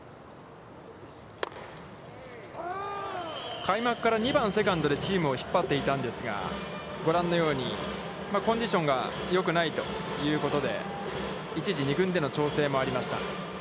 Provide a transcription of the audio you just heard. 開幕から２番セカンドでチームを引っ張っていたんですが、ご覧のように、コンディションがよくないということで、一時２軍での調整もありました。